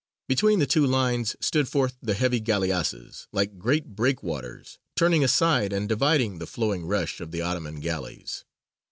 Between the two lines stood forth the heavy galleasses, like great breakwaters, turning aside and dividing the flowing rush of the Ottoman galleys.